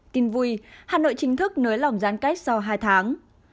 tin vui hà nội chính thức nới lỏng giãn cách sau hai tháng